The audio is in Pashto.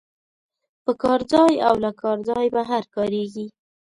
په کار ځای او له کار ځای بهر کاریږي.